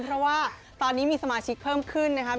เพราะว่าตอนนี้มีสมาชิกเพิ่มขึ้นนะครับ